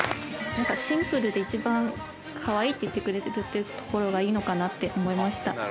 なんかシンプルで一番かわいいって言ってくれてるっていうところがいいのかなって思いました。